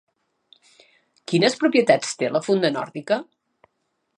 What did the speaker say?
Quines propietats té la funda nòrdica?